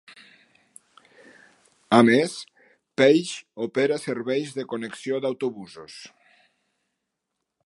A més, Pace opera serveis de connexió d'autobusos.